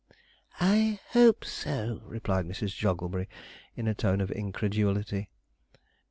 'I hope so,' replied Mrs. Jogglebury, in a tone of incredulity.